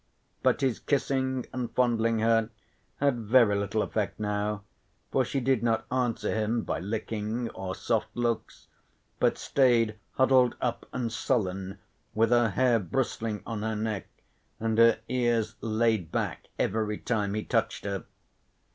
But his kissing and fondling her had very little effect now, for she did not answer him by licking or soft looks, but stayed huddled up and sullen, with her hair bristling on her neck and her ears laid back every time he touched her.